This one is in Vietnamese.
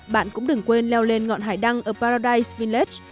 bạn cũng đừng quên leo lên ngọn hải đăng ở paradise village